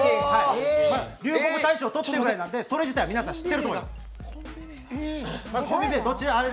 流行語大賞とってるんでそれ自体は皆さん知ってると思います。